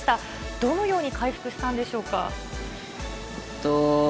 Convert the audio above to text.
どのように回復したんでしょうか。